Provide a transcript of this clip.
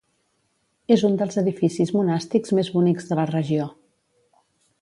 És un dels edificis monàstics més bonics de la regió.